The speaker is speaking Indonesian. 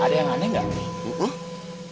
ada yang aneh nggak nih